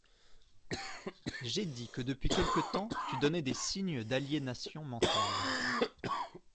J’ai dit que depuis quelque temps tu donnais des signes d’aliénation mentale.